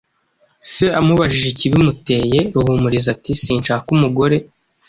Se amubajije ikibimuteye, Ruhumuriza ati: “Sinshaka umugore.”